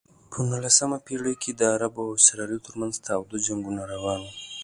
په نولسمه پېړۍ کې د عربو او اسرائیلو ترمنځ تاوده جنګونه روان و.